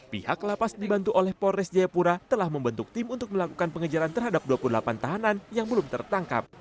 pihak lapas dibantu oleh polres jayapura telah membentuk tim untuk melakukan pengejaran terhadap dua puluh delapan tahanan yang belum tertangkap